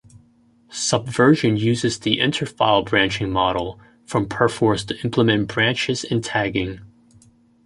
Subversion uses the inter-file branching model from Perforce to implement branches and tagging.